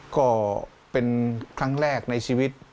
ก็เป็นครั้งแรกในชีวิต